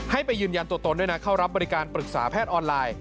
ให้ไปยืนยันตัวตนด้วยนะเข้ารับบริการปรึกษาแพทย์ออนไลน์